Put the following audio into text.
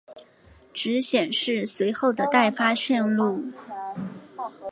只显示随后的待发线路。